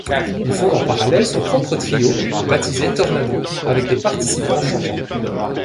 Il fonde en parallèle son propre trio, baptisé Tornado, avec des participants changeants.